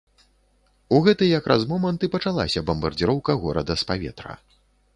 У гэты якраз момант і пачалася бамбардзіроўка горада з паветра.